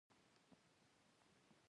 دا چاره تر ډېره بریده طبیعي ده.